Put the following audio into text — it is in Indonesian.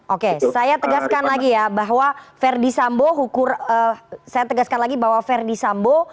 oke saya tegaskan lagi ya bahwa verdi sambo hukum saya tegaskan lagi bahwa verdi sambo